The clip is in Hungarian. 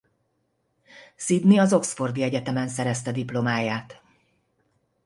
Sidney az Oxfordi Egyetemen szerezte diplomáját.